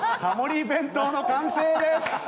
タモリ弁当の完成です！